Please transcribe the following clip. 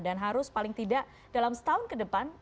dan harus paling tidak dalam setahun ke depan